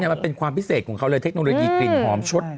มันเป็นความพิเศษของเขาเลยเทคโนโลยีกลิ่นหอมชด